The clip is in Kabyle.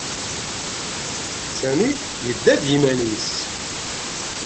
Sami yedda i yiman-nnes.